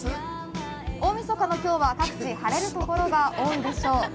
大みそかの今日は各地で晴れる所が多いでしょう。